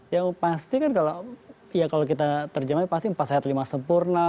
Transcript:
ya pasti kan kalau kita terjemahin pasti empat sehat lima sempurna